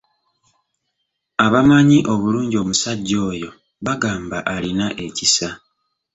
Abamanyi obulungi omusajja oyo bagamba alina ekisa.